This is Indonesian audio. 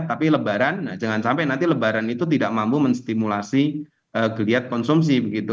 tapi lebaran jangan sampai nanti lebaran itu tidak mampu menstimulasi kelihatan konsumsi begitu